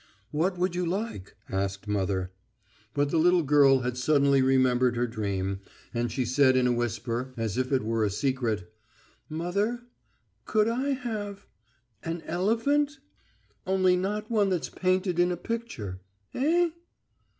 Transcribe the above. "What would you like?" asked mother. But the little girl had suddenly remembered her dream, and she said in a whisper, as if it were a secret: "Mother ... could I have ... an elephant? Only not one that's painted in a picture.... Eh?"